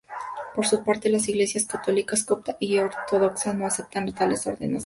Por su parte, las Iglesias católica, copta y ortodoxa no aceptan tales ordenaciones.